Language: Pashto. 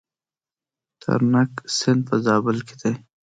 ترنک سیند په زابل کې دی؟